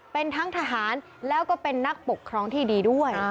เป็นทั้งทหารแล้วก็เป็นนักปกครองที่ดีด้วย